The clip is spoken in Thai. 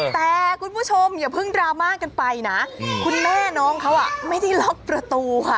แต่คุณผู้ชมอย่าเพิ่งดราม่ากันไปนะคุณแม่น้องเขาไม่ได้ล็อกประตูค่ะ